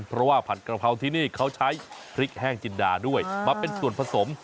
เพราะว่าผัดกระเพราที่นี่เขาใช้พริกแห้งจินดาด้วยมาเป็นส่วนผสม